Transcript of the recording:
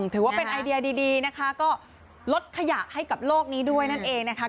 ถือว่าเป็นไอเดียดีนะคะก็ลดขยะให้กับโลกนี้ด้วยนั่นเองนะคะ